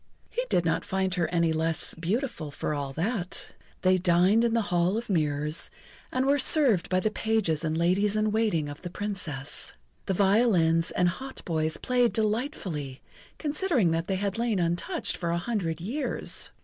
He did not find her any the less beautiful for all that. They dined in the Hall of Mirrors, and were served by the pages and ladies in waiting of the Princess. The violins and hautboys played delightfully considering that they had lain untouched for a hundred years.